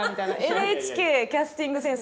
ＮＨＫキャスティングセンス